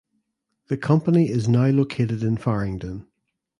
The company is now located in Farringdon.